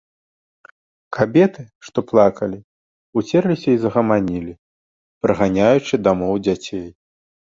Кабеты, што плакалі, уцерліся і загаманілі, праганяючы дамоў дзяцей.